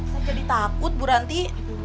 saya jadi takut bu ranti